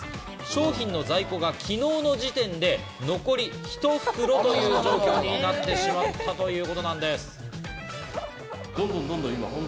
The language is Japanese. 商品の在庫が昨日時点で残りひと袋という状況になってしまったということなんです。